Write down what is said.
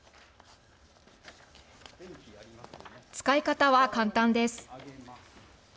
使い方は簡単です。